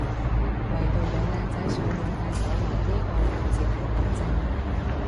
惟獨有靚仔上門戴手環呢個環節係德政